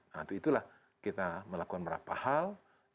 nah untuk itulah kita melakukan beberapa hal